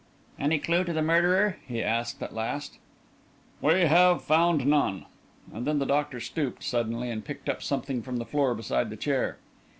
"Any clue to the murderer?" he asked, at last. "We have found none." And then the doctor stooped suddenly and picked up something from the floor beside the chair.